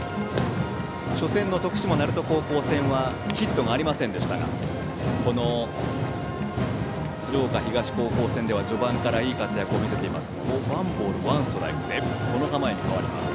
初戦の徳島・鳴門高校戦はヒットがありませんでしたがこの鶴岡東高校戦では序盤からいい活躍を見せています。